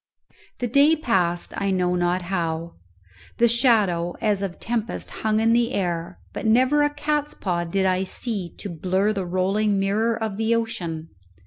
The day passed I know not how. The shadow as of tempest hung in the air, but never a cats paw did I see to blurr the rolling mirror of the ocean.